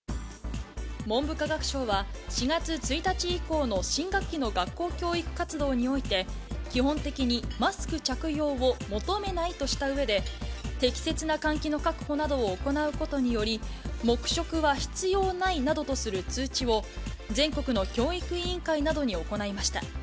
文部科学省は、４月１日以降の新学期の学校教育活動において、基本的にマスク着用を求めないとしたうえで、適切な換気の確保などを行うことなどにより、黙食は必要ないなどとする通知を、全国の教育委員会などに行いました。